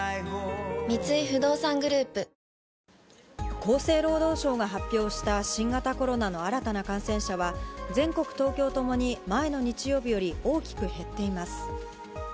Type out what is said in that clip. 厚生労働省が発表した新型コロナの新たな感染者は、全国、東京ともに前の日曜日より大きく減っています。